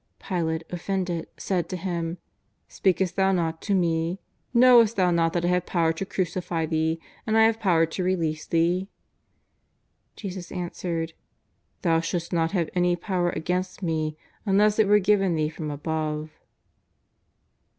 Pilate, offended, said to Him: ^' Speakest Thou not to Me ? Knowest Thou not that I have power to crucify Thee and I have power to release Thee ?" Jesus answered :" Thou shouldst not have any power against Me unless it were given thee from above."